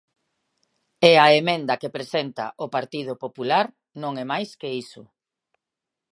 E a emenda que presenta o Partido Popular non é máis que iso.